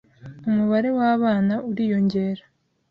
Umubare wabana uriyongera.